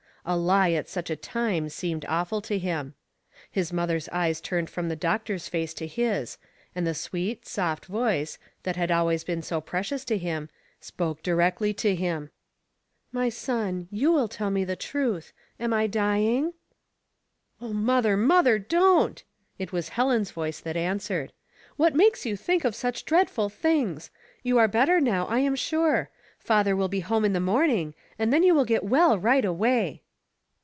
A lie at such a time seemed awful to him. His mother's eyes turned from the doctor's face to his, and the sweet, soft voice, that had always been so precious to him, spoke directly to him. *' My son, you will tell me the truth. Am I dying?" " O mother, mother, don't! " It was Helen's voice that answered. " What makes you think of such dreadful things ? You are better now, I am sure. Father will be home in the morning, and then you will get well right away."